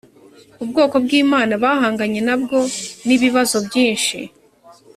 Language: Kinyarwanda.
ubwoko bw’imana bahanganye nabwo, n’ibibazo byinshi